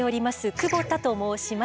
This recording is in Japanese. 久保田と申します。